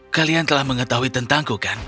kalian telah mengetahui tentangku kan